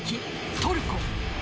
トルコ。